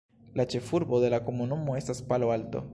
La ĉefurbo de la komunumo estas Palo Alto.